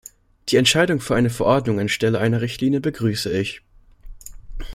Die Entscheidung für eine Verordnung anstelle einer Richtlinie begrüße ich.